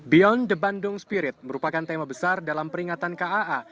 beyond the bandung spirit merupakan tema besar dalam peringatan kaa